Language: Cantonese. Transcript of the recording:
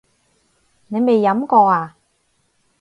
你未飲過呀？